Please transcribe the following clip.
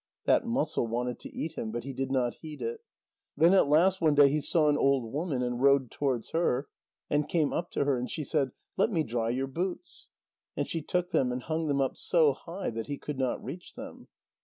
That mussel wanted to eat him. But he did not heed it. Then at last one day he saw an old woman, and rowed towards her, and came up to her. And she said: "Let me dry your boots." And she took them and hung them up so high that he could not reach them.